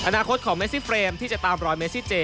อนาคตของเมซิเฟรมที่จะตามรอยเมซิเจ